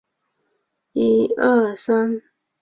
利涅罗勒人口变化图示